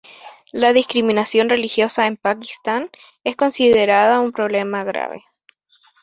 La discriminación religiosa en Pakistán es considerada un problema grave.